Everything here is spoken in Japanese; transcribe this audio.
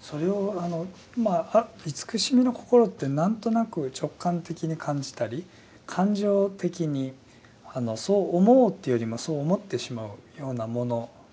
それを今慈しみの心ってなんとなく直感的に感じたり感情的にそう思おうというよりもそう思ってしまうようなもののような気がするんですね。